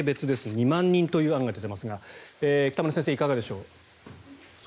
２万人という案が出ていますが北村さん、いかがでしょう？